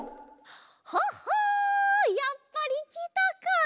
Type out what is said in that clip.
ほっほやっぱりきたか。